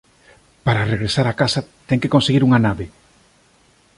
Para regresar á casa ten que conseguir unha nave.